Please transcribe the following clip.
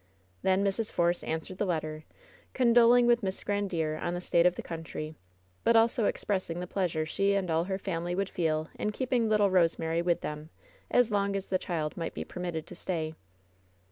Then Mrs. Force answered the letter, condoling with Miss (3rrandiere on the state of the country, but also ex pressing the pleasure she and all her family would feel in keeping little Rosemary with them as long as the child might be permitted to stay.